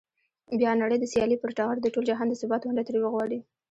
بیا نړۍ د سیالۍ پر ټغر د ټول جهان د ثبات ونډه ترې وغواړي.